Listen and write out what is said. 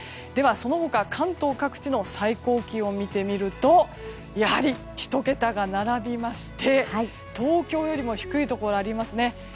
ではその他関東各地の最高気温を見てみるとやはり１桁が並びまして東京よりも低いところありますね。